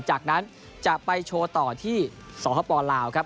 จากนั้นจะไปโชว์ต่อที่สปลาวครับ